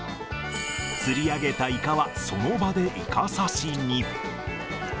釣り上げたイカは、その場でイカ刺しに。